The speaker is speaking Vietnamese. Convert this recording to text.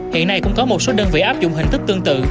hiện nay cũng có một số đơn vị app dùng hình thức tương tự